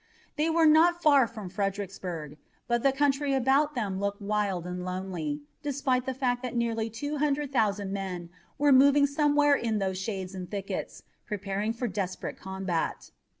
They were not far from Fredericksburg, but the country about them looked wild and lonely, despite the fact that nearly two hundred thousand men were moving somewhere in those shades and thickets, preparing for desperate combat.